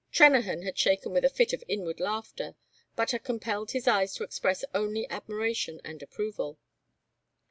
Trennahan had shaken with a fit of inward laughter, but had compelled his eyes to express only admiration and approval.